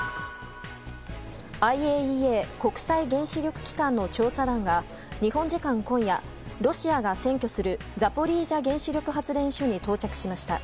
ＩＡＥＡ・国際原子力機関の調査団が日本時間今夜、ロシアが占拠するザポリージャ原子力発電所に到着しました。